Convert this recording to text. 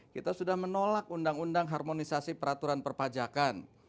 kita sudah menolak undang undang harmonisasi peraturan perpajakan